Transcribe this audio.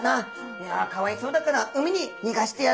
いやかわいそうだから海に逃がしてやろうじゃねえか」。